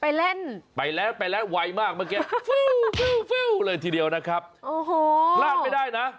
ไปเล่นไปแล้วไปแล้วไวมากเมื่อกี้ฟิวฟิวฟิวเลยทีเดียวนะครับโอ้โหพลาดไม่ได้นะ